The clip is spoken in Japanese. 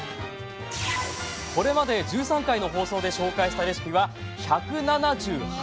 これまで１３回の放送で紹介したレシピは１７８品！